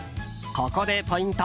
ここでポイント！